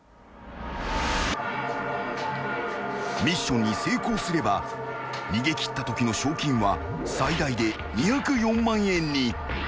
［ミッションに成功すれば逃げ切ったときの賞金は最大で２０４万円に］